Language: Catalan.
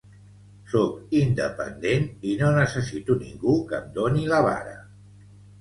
Sóc independent i no necessito ningú que em doni la vara